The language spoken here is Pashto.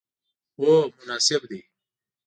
هو، مناسب دی